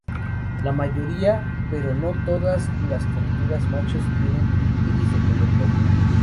La mayoría, pero no todas, las tortugas machos tienen el iris de color rojo.